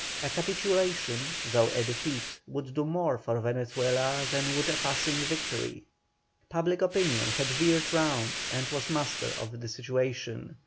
A capitulation, though a defeat, would do more for Venezuela than would a passing victory; public opinion had veered round and was master of the situation.